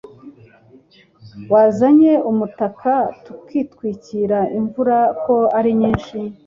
Wazanye umutaka tukitwikira imvura ko arinyinshi?